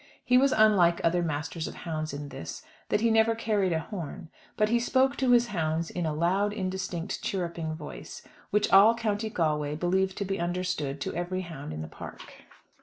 He was unlike other masters of hounds in this, that he never carried a horn; but he spoke to his hounds in a loud, indistinct chirruping voice, which all County Galway believed to be understood to every hound in the park.